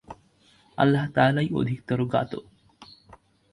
আল্লাহ তাআলাই অধিকতর জ্ঞাত।